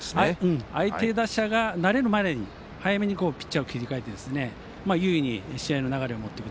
相手打者が慣れるまでに早めにピッチャーを切り替えて有利に試合を進めていく。